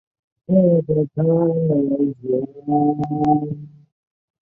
文森在校期间做过零工。